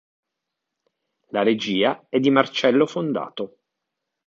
La regia è di Marcello Fondato.